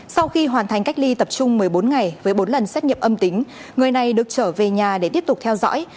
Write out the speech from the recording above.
sau khi hoàn thành cách ly tập trung một mươi bốn ngày với bốn lần xét nghiệm âm tính người này được trở về nhà để tiếp tục theo dõi